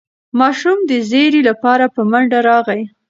ماشوم د زېري لپاره په منډه راغی.